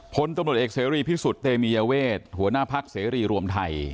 พลตำรวจเอกเสรีพิสุทธิ์เตมียเวทหัวหน้าพักเสรีรวมไทย